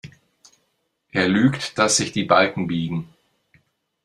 Er lügt, dass sich die Balken biegen.